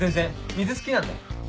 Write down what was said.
水好きなんで。